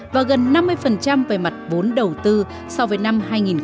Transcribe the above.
và gần năm mươi về mặt bốn đầu tư so với năm hai nghìn một mươi sáu